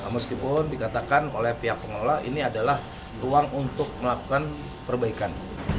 meskipun dikatakan oleh pihak pengelola ini adalah ruang untuk melakukan perbaikan